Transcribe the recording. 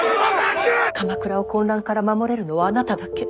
鎌倉を混乱から守れるのはあなただけ。